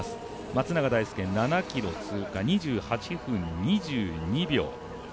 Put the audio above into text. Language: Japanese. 松永大介、７ｋｍ通過、２７分２２秒。